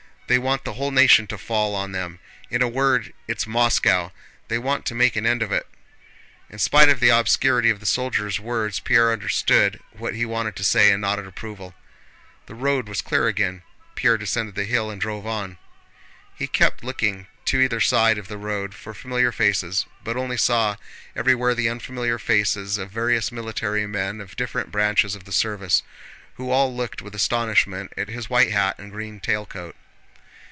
They want the whole nation to fall on them—in a word, it's Moscow! They want to make an end of it." In spite of the obscurity of the soldier's words Pierre understood what he wanted to say and nodded approval. The road was clear again; Pierre descended the hill and drove on. He kept looking to either side of the road for familiar faces, but only saw everywhere the unfamiliar faces of various military men of different branches of the service, who all looked with astonishment at his white hat and green tail coat.